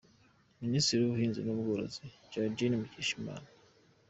Ministre w’ubuhinzi n’ubworozi ni Géraldine Mukeshimana